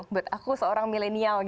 buat aku seorang milik